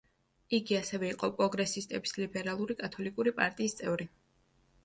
იგი ასევე იყო პროგრესისტების ლიბერალური კათოლიკური პარტიის წევრი.